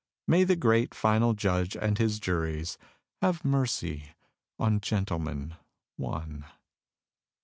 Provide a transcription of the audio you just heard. May the great Final Judge and His juries Have mercy on "Gentleman, One"!